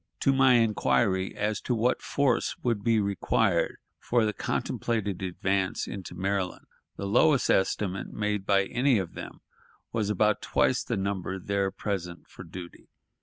To my inquiry as to what force would be required for the contemplated advance into Maryland, the lowest estimate made by any of them was about twice the number there present for duty.